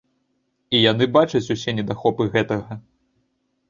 І яны бачаць усе недахопы гэтага.